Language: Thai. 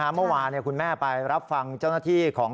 เมื่อวานคุณแม่ไปรับฟังเจ้าหน้าที่ของ